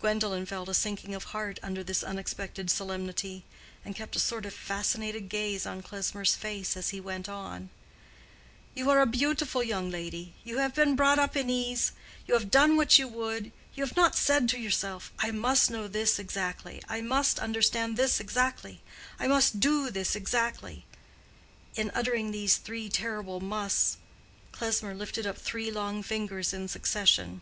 Gwendolen felt a sinking of heart under this unexpected solemnity, and kept a sort of fascinated gaze on Klesmer's face, as he went on. "You are a beautiful young lady—you have been brought up in ease—you have done what you would—you have not said to yourself, 'I must know this exactly,' 'I must understand this exactly,' 'I must do this exactly,'"—in uttering these three terrible musts, Klesmer lifted up three long fingers in succession.